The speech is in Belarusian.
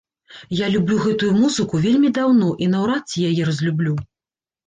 Я люблю гэтую музыку вельмі даўно, і наўрад ці яе разлюблю.